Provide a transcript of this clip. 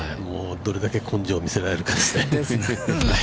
◆どれだけ根性を見せられるかですね。